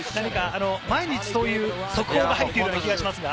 毎日そういう速報が入っている気がしますが。